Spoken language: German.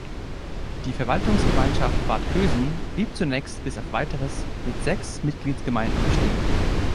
Die Verwaltungsgemeinschaft Bad Kösen blieb zunächst bis auf weiteres mit sechs Mitgliedsgemeinden bestehen.